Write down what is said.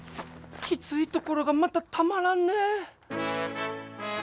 きついところがまたたまらんね。